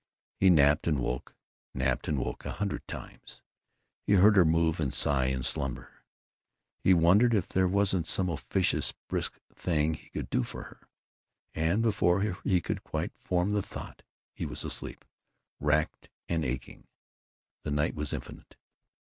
He napped and woke, napped and woke, a hundred times. He heard her move and sigh in slumber; he wondered if there wasn't some officious brisk thing he could do for her, and before he could quite form the thought he was asleep, racked and aching. The night was infinite.